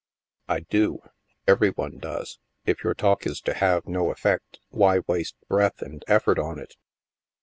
" I do. Every one does. If your talk is to have no effect, why waste breath and effort on it